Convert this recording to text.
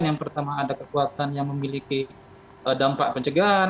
yang pertama ada kekuatan yang memiliki dampak pencegahan